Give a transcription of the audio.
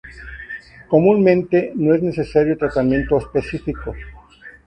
Comúnmente, no es necesario tratamiento específico.